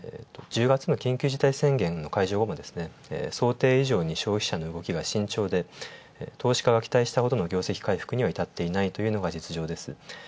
１０月の緊急事態宣言の解除後もですね、想定以上に消費者が慎重で投資家が期待したほどの業績回復にいたっていないというのが現状です。